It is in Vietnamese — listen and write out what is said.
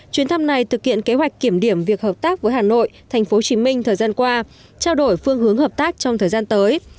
chuyến thăm này thực hiện kế hoạch kiểm điểm việc hợp tác với hà nội tp hcm thời gian qua trao đổi phương hướng hợp tác trong thời gian tới